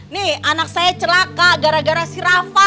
nih anak saya celaka gara gara si rafa